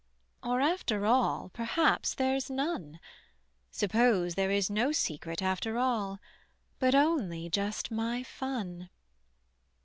Or, after all, perhaps there's none: Suppose there is no secret after all, But only just my fun.